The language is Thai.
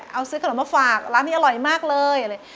เอาซื้อขนมมาฝากร้านนี้อร่อยมากเลย